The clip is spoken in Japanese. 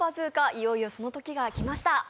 いよいよその時が来ました。